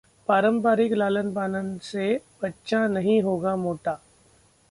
पारंपरिक लालन पालन से बच्चा नहीं होगा मोटा